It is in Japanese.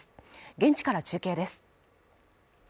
現地から中継です